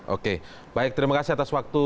oke baik terima kasih atas waktu